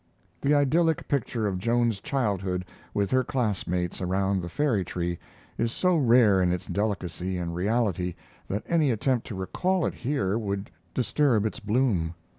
The idyllic picture of Joan's childhood with her playmates around the fairy tree is so rare in its delicacy and reality that any attempt to recall it here would disturb its bloom.